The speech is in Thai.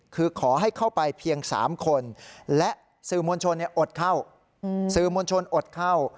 คือขอให้เข้าไปเพียง๓คนและสื่อมวลชนอดเข้า